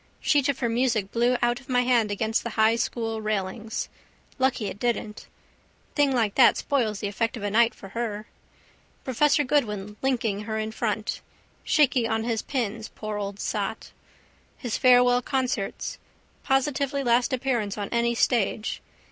Sheet of her music blew out of my hand against the High school railings. Lucky it didn't. Thing like that spoils the effect of a night for her. Professor Goodwin linking her in front. Shaky on his pins, poor old sot. His farewell concerts. Positively last appearance on any stage.